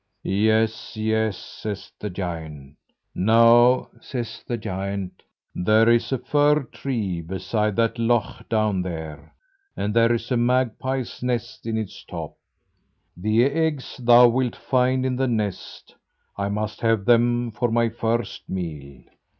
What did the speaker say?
"Yes, yes!" says the giant. "Now," says the giant, "there is a fir tree beside that loch down there, and there is a magpie's nest in its top. The eggs thou wilt find in the nest. I must have them for my first meal.